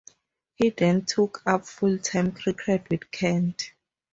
He then took up full-time cricket with Kent.